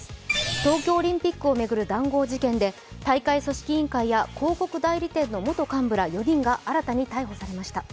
東京オリンピックを巡る談合事件で大会組織委員会や広告代理店の幹部４人が新たに逮捕されました。